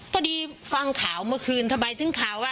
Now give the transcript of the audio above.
พอดีฟังข่าวเมื่อคืนทำไมถึงข่าวว่า